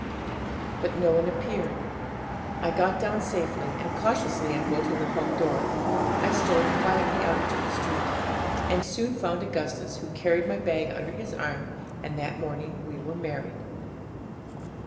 But no one appeared; I got down safely, and, cautiously unbolting the hall door, I stole quietly out into the street, and soon found Augustus, who carried my bag under his arm, and that morning we were married.